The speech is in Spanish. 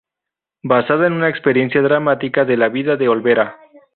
Basada en una experiencia dramática de la vida de Olvera.